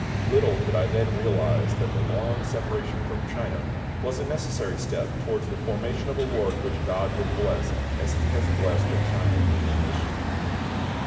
Little did I then realise that the long separation from China was a necessary step towards the formation of a work which GOD would bless as He has blessed the CHINA INLAND MISSION.